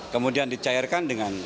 kemudian dicairkan dengan